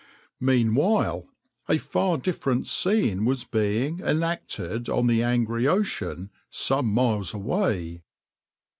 \par Meanwhile a far different scene was being enacted on the angry ocean some miles away.